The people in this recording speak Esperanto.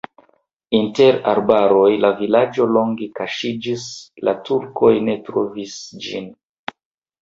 Inter arbaroj la vilaĝo longe kaŝiĝis, la turkoj ne trovis ĝin.